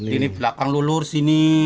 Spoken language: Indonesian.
ini belakang lulur sini